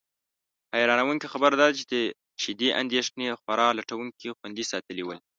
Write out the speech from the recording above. حیرانونکې خبره دا ده چې دې اندېښنې خوراک لټونکي خوندي ساتلي ول.